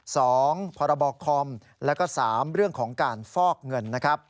สองพระบอกคอมและสามเรื่องของการฟอกเงิน